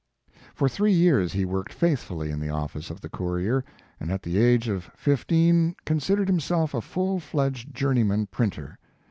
For three years he worked faithfully in the office of the Courier , and at the age of fifteen considered himself a full fledged journeyman printer.